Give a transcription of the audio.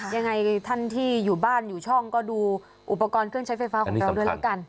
ยังไงท่านที่อยู่บ้านอยู่ช่องก็ดูอุปกรณ์เครื่องใช้ไฟฟ้าของเราด้วยแล้วกัน